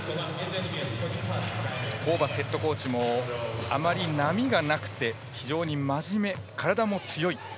ホーバスヘッドコーチもあまり波がなくて非常にまじめ、体も強い。